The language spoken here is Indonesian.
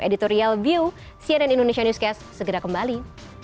editorial view cnn indonesia newscast segera kembali